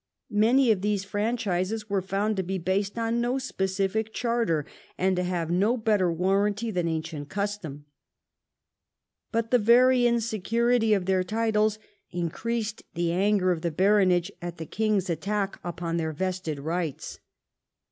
Many of these franchises were found to be based on no specific charter, and to have no better warranty than ancient custom. But the very insecurity of their titles increased the anger of the baronage at the king's attack upon their vested rights.